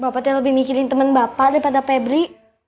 pe jotka lebih mikirin teman bapak daripada febri